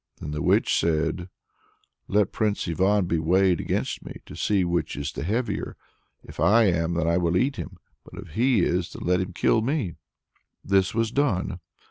Then the witch said: "Let Prince Ivan be weighed against me, to see which is the heavier. If I am, then I will eat him; but if he is, then let him kill me!" This was done.